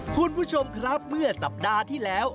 คุณผู้ชมครับเมื่อสัปดาห์ที่แล้ว